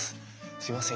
すみません